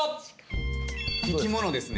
生き物ですね？